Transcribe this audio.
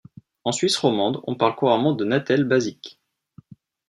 En Suisse romande, on parle couramment de Natel basique.